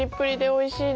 おいしい。